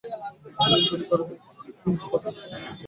Police গুলি করার আগে পর্যন্ত তাঁর বিরুদ্ধে কোনো থানায় মামলা ছিল না।